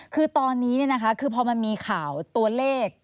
คือตอนนี้คือพอมันมีข่าวตัวเลข